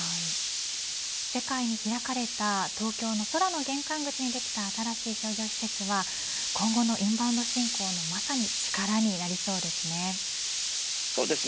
世界に開かれた東京の空の玄関口にできた新しい商業施設は今後のインバウンド振興のまさに力になりそうですね。